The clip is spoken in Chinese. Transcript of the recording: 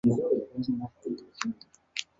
如今喀喇河屯行宫仅存遗址。